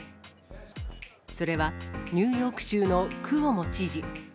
それはニューヨーク州のクオモ知事。